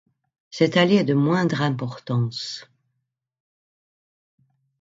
Cette allée est de moindre importance.